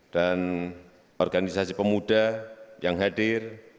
dan organisasi pemuda yang hadir